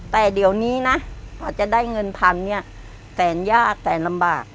แต่เดี๋ยวนี้นะกว่าจะได้เงินพันเนี่ยแสนยากแต่ลำบาก